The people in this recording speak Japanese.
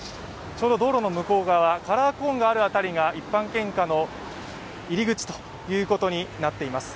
ちょうど道路の向こう側、カラーコーンがある辺りが一般献花の入り口ということになっています。